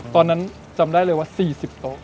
ตอนนั้นจำได้เลยว่า๔๐โต๊ะ